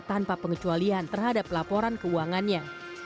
tanpa pengecualian terhadap laporan keuangannya